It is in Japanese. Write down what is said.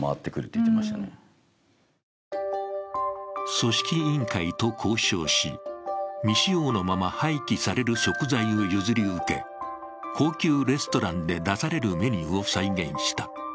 組織委員会と交渉し、未使用のまま廃棄される食材を譲り受け高級レストランで出されるメニューを再現した。